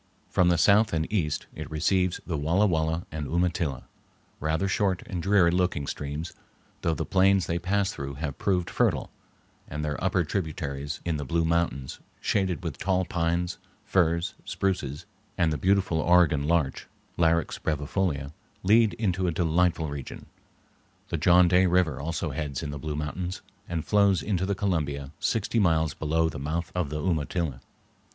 From the south and east it receives the Walla Walla and Umatilla, rather short and dreary looking streams, though the plains they pass through have proved fertile, and their upper tributaries in the Blue Mountains, shaded with tall pines, firs, spruces, and the beautiful Oregon larch (Larix brevifolia), lead into a delightful region. The John Day River also heads in the Blue Mountains, and flows into the Columbia sixty miles below the mouth of the Umatilla.